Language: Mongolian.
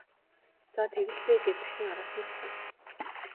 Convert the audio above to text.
За тэг л дээ гээд дахин араас нь түлхэнэ.